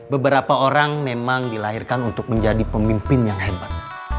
beberapa orang memang dilahirkan untuk menjadi pemimpin yang hebat